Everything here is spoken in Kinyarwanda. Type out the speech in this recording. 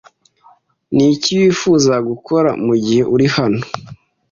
Niki wifuza gukora mugihe uri hano?